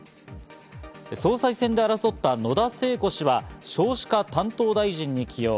総裁選で争った野田聖子氏は少子化担当大臣に起用。